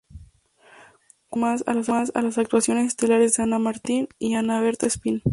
Cuenta además con las actuaciones estelares de Ana Martín y Ana Bertha Espín.